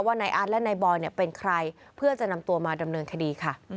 นายอาร์ตและนายบอยเป็นใครเพื่อจะนำตัวมาดำเนินคดีค่ะ